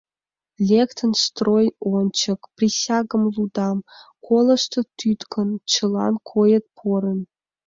Лектын строй ончык, присягым лудам, Колыштыт тӱткын, чылан койыт порын.